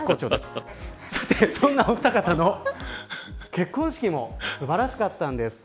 さて、そんなお二方の結婚式も素晴らしかったです。